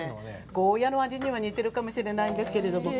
ゴーヤの味には似ているかもしれないですけど。